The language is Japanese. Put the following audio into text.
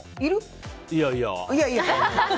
いやいや。